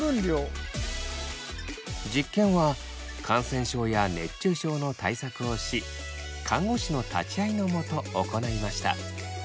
実験は感染症や熱中症の対策をし看護師の立ちあいのもと行いました。